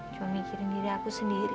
cuma mikirin diri aku sendiri